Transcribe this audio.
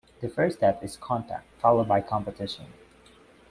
The first step is contact followed by competition.